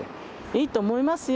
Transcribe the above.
いいと思いますよ。